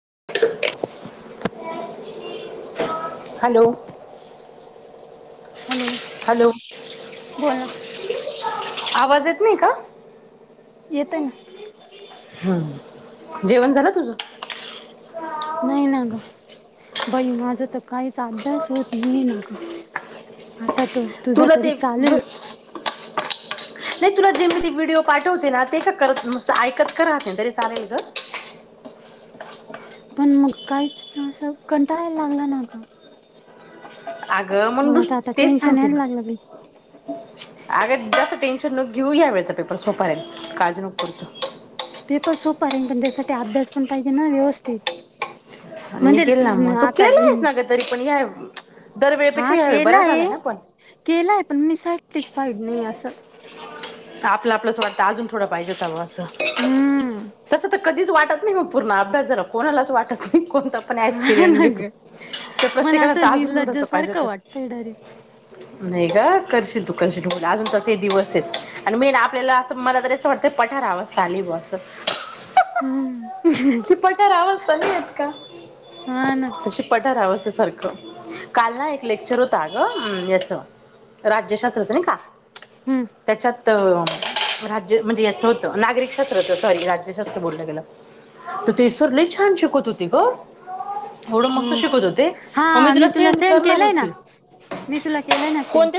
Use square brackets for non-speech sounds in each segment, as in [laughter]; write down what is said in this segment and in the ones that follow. [unintelligible] Hello hello hello आवाज य येत आहे ना जेवण झालं तुझ नाही ना ग बाई माझं तर काहीच अभ्यास होत नाही ना ग आता तो तुझा तुला तरी ते चालू [unintelligible] आहे नाही तुला जे मी ते व्हिडिओ पाठवते ना ते का करत नुसत ऐकत क राहते नाही तरी चालेल ग [inaudible] पण मग काहीच असं कंटाळायला लागला ना ग अगं मला म्हणुस तर आता तेच टेन्शन सांगते यायला ना लागलं बाई अग जास्त टेन्शन नको घेऊ या वेळचा पेपर सोपा हाय काळजी नको करू पेपर सोपं आहे पण त्यासाठी अभ्यास पण पाहिजे ना व्यवस्थित म्हणजे निघेल ना मग न तू आता केला आहेस न ना का तरी पण या दरवेळेपेक्षा हा यावेळी बरा केलाय झालाय ना पण केलाय पण मी सॅटिस्फाईड नाही असं [unintelligible] आपलं आपलंस वाटतं अजून थोडं पाहिजे हवं असं हम्म तसं तर कधीच वाटत नाही मग पूर्ण अभ्यास झाला कोणाला अस वाटत नाही कोणत पण हा क्सपिरियं ना घेतो ग तर मला प्रत्येकाला असं अजून निर्लज्ज थोडंस पाहिजे सारखं तर वाटतंय डायरेक्ट नाही ग करशील तू करशील तू अजून त हे दिवस आहेत आणि मेन आपल्याला असं मला त असं वाटतं ते पठारआवस्था आली बस हम्म ती पठारअवस्था नाहीं आली. हा ना. अवस्थे सारख. काल ना एक लेक्चर होत ग याच. राज्यशास्त्रचं नाही का हम्म त्याच्यात. म्हणजे याच होत नागरीक शास्त्र. राज्यशास्त्र बोलतात याला तर ते सर लई छान शिकवत होते. होते ग एवढं मस्त हा का? शिकत होते. मग मी तुला सेंड करणार होते ते. मी तुला केलय ना सेंड.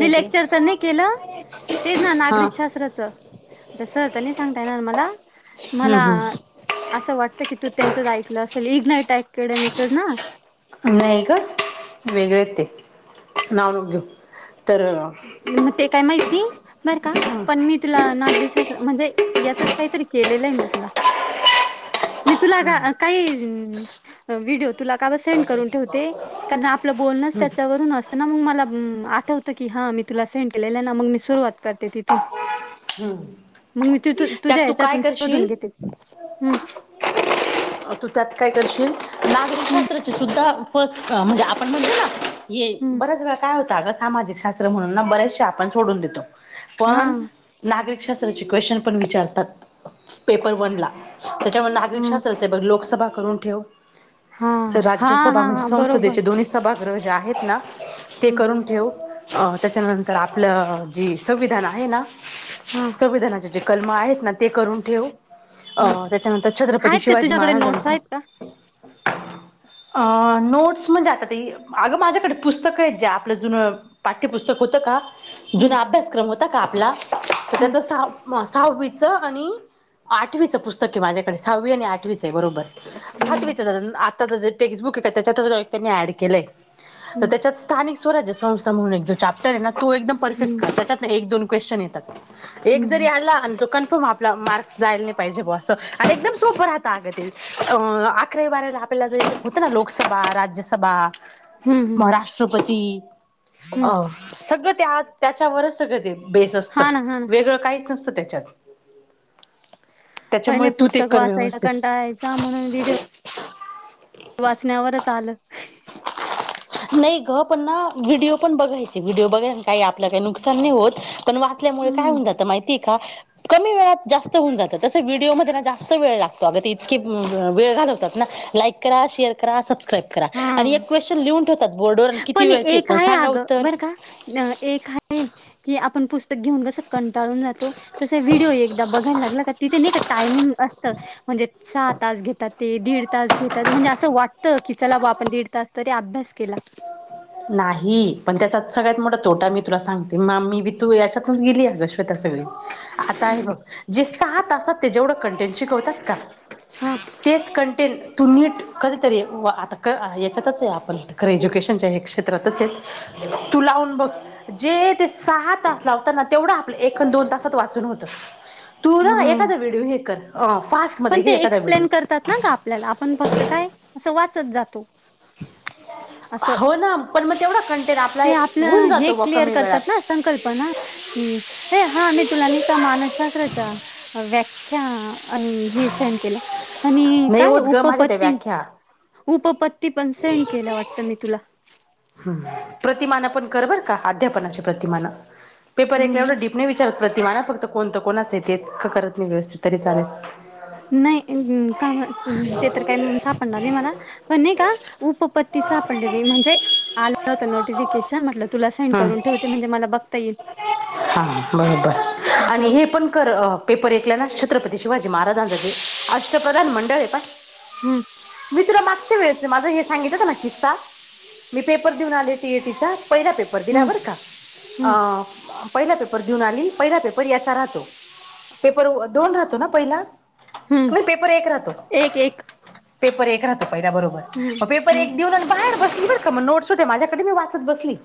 मी ते लेक्चर तर नाही केलं. तेच ना हा नागरिक शास्त्राचं. तसं आता नाही सांगता येणार मला. हम्म मला. हम्म असं वाटत की तू त्यांचाच ऐकलं असेल. इगनाईट अकॅडमीचं ना. नाही ग वेगळ आहे ते. नाव नको घेऊ. तर म ते काय माहिती. बरं का पण मी तुला नागरिकशास्त्र. म्हणजे याचच काहीतरी केलेलं आहे मी तुला. मी तुला आग काही. व्हिडिओ तुला काव सेंड करून ठेवते. कारण आपलं बोलनाच त्याच्यावरून असतं ना मग मला. मला आठवत की हा मी तुला सेंड केलेलं आहे ना. मग मी सुरवात करते तिथून. हम. मग मी तु तु- तुझ्या त्यात तू काय ह्याच्यातून शोधून करशील? घेते हम्म तू त्यात काय करशील? हम्म नागरिकशास्त्राची सुद्धा फस्ट अ म्हणजे आपण म्हटलं ना. हे हम्म बऱ्याच वेळा काय होत. आग सामाजिक शास्त्र म्हणून ना बरेशे आपण सोडून देतो. हा पण नागरिक शास्त्राची क्वेशंन पण विचारतात. पेपर बनला. त्याच्यामुळे नागरिक हा शास्त्रचे पण बघ लोकसभा करून ठेव. हा हा राज्यसभा हा म्हणजे हा बरोबर संसदेचे दोन्ही सभागृह जे आहेत. ना ते ह करून ठेव. अ त्याच्यानंतर आपलं जे संविधान आहे. ना हा संविधानाचे जे कलम आहेत. ना ते करून ठेव. अ ह त्याच्यानंतर छत्रपती आहेत का शिवाजी तुझ्याकडे नोट्स महाराजांचा. आहेत का अ नोट्स म्हणजे आता ते. अगं माझ्याकडे पुस्तकं आहेत जे आपलं जुन पाठ्यपुस्तक. होत का हम्म जूना अभ्यासक्रम होता का आपला. तर हम्म त्याचा सहावी. सहावीचं आणि आठवीचं पुस्तक आहे माझ्याकडे. सहावी आणि आठवीच आहे. बरोबर हम्म सातवीच जरा जे टेक्स्टबुक आहेत त्याच्यात त्यांनी ऍड केलंय. त हम्म त्याच्यात स्थानिक स्वराज्यसंस्था म्हणून एक जो चॅप्टर आहे. ना तो एकदम परफेक्ट हम्म कर त्याच्यात एक दोन क्वेशंन येतात. एक जरी हम्म आला अन्. कन्फर्म आपला मार्क्स जायला नाही पाहिजे. बुवा अस आणि एकदम सोप राहत आग ते. अकरावी बारावीला आपल्याला जे होतं ना. लोकसभा राज्यसभा. हम्म हम्म म राष्ट्रपती. अ हम्म. सगळं त्या त्याच्यावरच सगळं ते बेस असतं. हा ना हा ना वेगळं काहीच नसतं त्याच्यात. पहिले त्याच्यामुळे तू ते पुस्तक कर वाचायचा व्यवस्थित. कंटाळायचा म्हणून व्हिडिओ वाचण्यावरच आलं नाही ग पण ना व्हिडिओ पण बघायचे. व्हिडिओ बघाय काही आपलं काही नुकसान नाही होत. पण वाचल्यामुळे काय हम्म होऊन जातं माहितीय का? कमी वेळेत जास्त होऊन जात. तसं व्हिडिओमध्ये ना जास्त वेळ लागतो. अगं ते इतके वेळ घालवतात ना. लाईक करा, शेअर करा, सबस्क्राईब करा. करा आणि हा एक क्वेशन लिहून ठेवतात. बोर्डवर अन किती पण वेळ एक तेच आहे सांगा अगं उत्तर. बरं का न- एक की आपण पुस्तक. पुस्तक घेउन जसं कंटाळून जातो. तसं व्हडओ एकदा बघायला लागलं का तेथे नाहीका टायमिंग असत. म्हणजे सहा-तास घेतात. ते दीड तास घेतात. म्हणजे असं वाटतं. कि चला बुवा आपण दीडतास तरी अभ्यास. केला नाही. पण त्याचा सगळ्यात मोठा तोटा मी तुला सांगते मा मीबी. तु याचातूनच गेलीऐत ग श्वेता सगळी. आता हे बघं जे सहा तासात ते जेवढ कन्टेट शिकवतात. शिकवतात. हा का तेच कन्टेट. तू नीट कधीतरी व आता क याच्यातच आहे आपण तर एजुकेशनच्या एक क्षेत्रातच आहे तू लावून बघ जे ते सहा तास लावतात ना तेवढं आपलं एक अन दोन तासात वाचून होत. तू ना हा एखादा व्हिडिओ हे कर फास्टमध्ये पण ते घे एखादा व्हिडिओ एक्सप्लेन करतात. ना ग आपल्याला आपण फक्त काय असं वाचत जातो. असं होना. पण म तेवढा कन्टेट आपल्याला ते आपलं हे क्लिअर करतात ना संकल्पना की नाही हा मी तुला नाही का मानस शास्त्राच्या व्याख्या आणि हे सेन्ड केल, आणि ई नाही काय होत ग माझ्या त्या उपपत्ती. व्याख्या उपपत्ती पण सेंड केला वाटतं, मी तुला ह प्रतिमान पण कर बर का, अध्यापनाची प्रतिमान पेपर एकल्या म्हणलं, एवढं डीपने विचारत. प्रतिमा फक्त कोणतं कोणाच ते करत नाही व्यवस्थित तरी चालेल. नाही अन का ते तर काय सापडणार नाही मला. पण नाही का उपपती सापडले बाई म्हणजे आ हो नोटिफिकेशन म्हटल तुला सेंड हम्म करून ठेवते म्हणजे मला बघता येईल. हा बरोबर आणि असं. हे पण कर पेपर एक ला ना छत्रपती शिवाजी महाराजांच ते अष्टप्रधान मंडल ये पहाय हम्म मी तुला मागच्या वेळसचा माझं हे सांगितल होत ना किस्सा. मी पेपर देऊन आले सी ई टी चा पहिला पेपर दिला हं, बरं का हं, अ पहिला पेपर देऊन आली. पहिला पेपर याचा राहतो. पेपर दोन राहतो ना पहिला? हं. नाही पेपर एक राहतो. पेपर एक राहतो पहिल्या बरोबर हं, मग पेपर हं, एक देऊन आणि बाहेर बसलो बर का मग नोट्स होत्या माझ्याकडे मी वाचत बसली.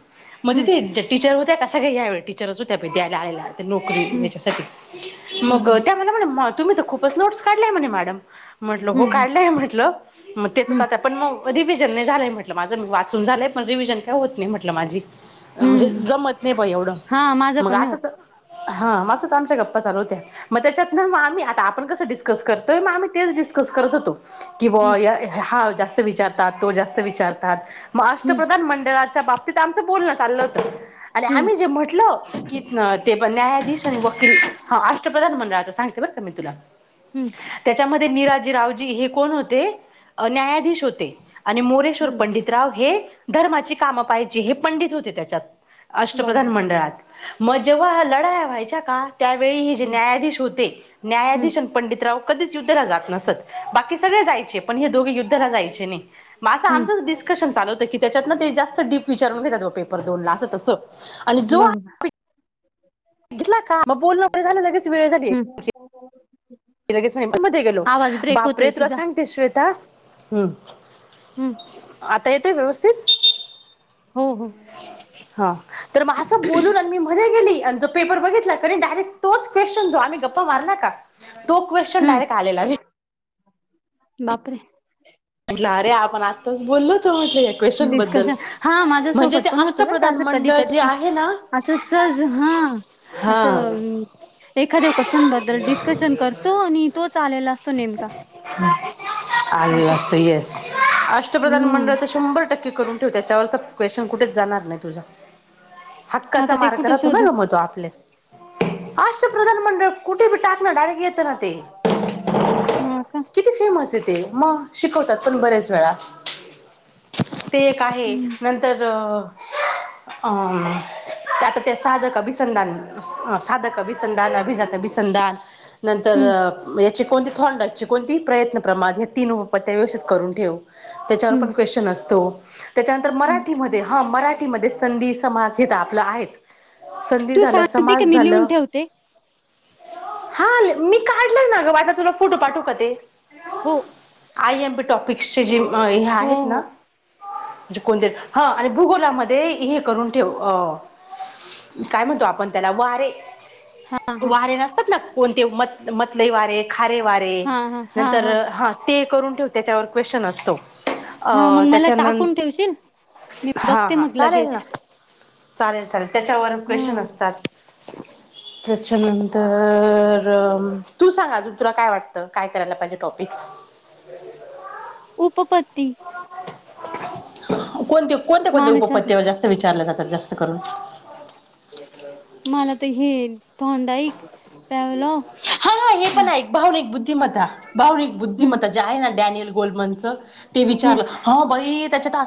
मग हं, तिथे त्या टीचर होत्या ना सगळे ह्या वेळ [unintelligible] टीचर टीचर च होत्या द्यायला आलेल्या नोकरी न हं, यांच्यासाठी हं, हं, मग हं, त्या मला म्हणल्या तुम्ही तर खूपच नोट्स काढल्याय म्हणे मॅडम म्हणलं हो हं. काढल्याय म्हटलं मग तेचच हं, आता पण रिव्हिजन नाही झालंय, म्हटलं माझं मी वाचून झालंय पण रिव्हिजन काय होत नाही म्हटलं माझी म्हणजे हं, हं. जमत नाही बाई एवढं. हा माझं मग पण नाही होत. असंच हा असच आमच्या गप्पा चालू होत्या, मग त्याच्यात ना मग आम्ही आता आपण कसं डिस्कस करतोय. मग आम्ही तेच डिस्क डिस्कस करत होतो की, हं, बॉ हा जास्त विचारतात, तो जास्त विचार विचारतात. हं, अष्टप्रधान मंडळाच्या बाबतीत आमचं बोलणं चाललं होत आणि हं, आम्हीे जे म्हट म्हटलो की, ते पण न्यायाधीश आणि वकील हा अष्टप्रधान मंडळाचं सांगते बरं का मी तुला हं, त्याच्यामध्ये निराजी रावजी हे कोण होते? न्यायाधीश होते आणि मोरेश्वर हं. पंडितराव हे धर्माची कामं पाहिजे हे पंडित होते त्याच्यात अष्टप्रधान बरोबर. मंडळात, मग जेव्हा लढाया व्हायच्या का त्यावेळी हे जे हं, न्यायाधीश होते हं, न्यायाधीश पंडितराव कधीच ड्युट्यांना जात नसंत. बाकी सगळे जायचे पण दोघे युद्ध युद्धांना जायचे नाही. मग हं. आमचं असच डिस्कशन चालू होत त्याच्यात डीप विचारून घेतात पेपर दोन ला आणि जो [inaudible] घेतला का? मग बोलणं झालं लगेच वेळ झाली हम्म लगेच [unintelligible] मध्ये गेलो ब्रेक बापरे होतोय तुला तुझा. सांगते, श्वेता हम् हम्म. आता येतोय व्यवस्थित. हो, हो. हा तर मग असं बोलून आणि मी मध्ये गेली. आणि जो पेपर बघितला. तरी डायरेक्ट तोच क्वेश्चन जो आम्ही गप्पा मारला का तो क्वेश्चन हं. डायरेट आलेला [unintelligible] बापरे. म्हटलं अरे आपण आत्ताच बोललो तो म्हटलं या क्वेश्चन बद्दल डिस्कशन हा माझ्या म्हणजे सोबत ते पण होत बरं का, अष्टप्रधान अस कधी. मंडळ जे कधी आहे ना [unintelligible] अस सहज हं. हा अस अ म एखाद्या क्वेशनबद्दल डिस्कशन करतो आणि तोच आलेला असतो नेमका. ह [unintelligible] आले असं. असत, ऐस [unintelligible] अष्टप्रधान हं. मंडळ तर शंभर टक्के करून तो त्याच्यावर तर क्वेशन कुठेच जाणार नाही. तुझा हक्काचा आता ते मार्ग कुठे राहतो. ना शोधू? गमतो आपले आष्टपधान म्हण कुठे बी टाकणं डायरेक्ट येतं ना. ते हां का. [unintelligible] किती फेमस आहे. ते मग शिकवतात पण बरेच वेळा. ते एक आहे. हं, नंतर अं अ म आता ते साधका वििसंदान साधकाभिसंदान अभिजात भिसंदान नंतर हं, याचे कोणती थोंडाचे कोणती प्रयत्न प्रमाद ह तीन उपपत्त्या व्यवस्थित करून ठेव त्याच्यावर हं, पण क्वेश्चन असतो त्याच्यानंतर हं. मराठीमध्ये हा मराठीमध्ये संधी समाज हेेत आपलं आहेच संधी तू झालं सांगते का समाज मी लिहून झालं ठेवते? हा मी काढलंय ना ग वाटला तुला फोटो पाठू का ते हो आय एम बी टॉपिक्सचे जे हे हो, आहेत ना हो. े कोणते हा आणि भूगोलामध्ये हे करून ठेव अ काय म्हणतो आपण त्याला वा े हा हा वारे नसतात ना कोणते मत मतलई वारे खारे वारे हा हा हा नंतर हा ते करून ठेव त्याच्यावर क्वेश्चन असतो हा अ मग मला टाकून ठेवशील मी त्याच्यानंत हा बघते हा मग चालेल लगेच ना चालेल चालेल त्याच्यावर हा क्वेश्चन असतात त्याच्यानंतर तू सांग अजून तुला काय वाटतं काय करायला पाहिजे टॉपिक्स हम् उपपत् कोणत्या कोणत्या कोणत्या मानसशास्त्र उपपत्त्यावर जास्त विचारल्या जातात जास्त करून मला तर हेन हा हे पण हम्म आहे भावनिक बुद्धिमत्ता भावनिक बुद्धिमत्ता हम्म ज निल ग विचारलं त्या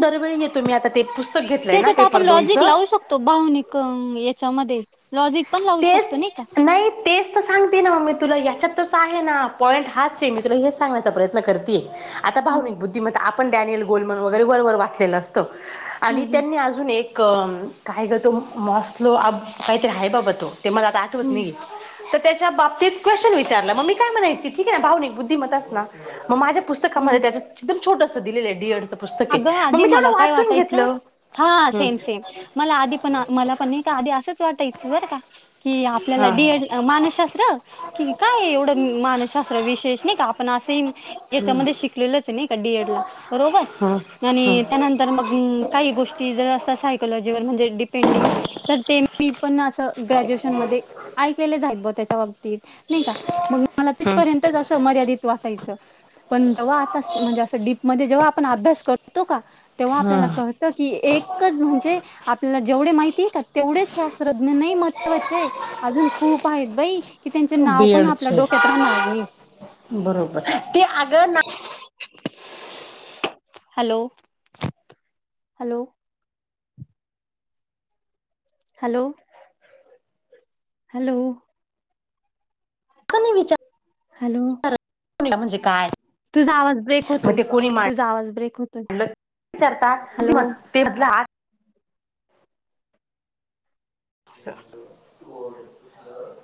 दरवेळी येतो मी आता ते पुस्तक घेतलंय ना त्याच्यात आपण पेपर लॉजिक दोनचं लावू शकतो भावनिक याच्यामध्ये लॉजिक पण लावू तेच शकतो नाही का नाही तेच सांगते ना मग मी तुला याच्यातच आहे ना पॉईंट हाच आहे मी तुला हेच सांगण्याचा प्रयत्न करतेे आता हम्म भावनिक बुद्धिमत् आपण डॅनियल गोलमन वगैरे वरवरर वाचलेलं असतं हम्म आणि हम्म त्यांनी अजून एक काय करतो मसलो काहीतरी आहे बाबा तेला आ आठवत हम्म नाही बाबतीत क्वे्न विचारलं मग म काय म्हणाय ठीक आहे ना भावनिक बुद्धमतच ना मग माझ्या हम्म पुस्तकामध्ये त्याचं एकदम छोटसं दिलेलं आहे डीअड अगं आधी मला काय वाटायचं हा हम्म सेम सेम मला आधी पण मला पण नाही का आधी असंच वाटायचं बरं का कि आपल्याला हा डीएड मानसशास्त्र कि काय एवढं मानसशास्त्र विशेष नाही का आपण अस हम्म याच्यामध्ये शिकलेलच आहे नाही का डीएड ला बरोबर हम्म हम्म आणि त्यानंतर मग काही गोष्टी जर असतात सायकोलॉजीवर म्हणजे डिपेंडिंग तर ते मी पण असं ग्रॅज्युएशन मध्ये आय केलेलं जा आहे ब त्याच्या बाबत नाही का मग मला हम्म तिथपर्यंतच असं मर्यादित वाटायचं पण जव्हा आता म्हणजे असं डीपमध्येध्ये जेव्हा अणे हम्म जे मातीात तेवढच नाही महत्वाचे अजून खूप आहेत बाई की त्यांचे नाव पण आपल्या बीएडचे डोक्यात राहणार नाही बरोबर ते अगं ना हॅलो. हॅलो. Hello hello. कनी विचार. हॅलो. ला म्हणजे काय. तुझा आवाज ब्रेक मग होतोय, ते कोणी मांडलं तुझा आवाज ब्रेक होतोय. विचारतात, म हॅलो ते मधलं हात [unintelligible]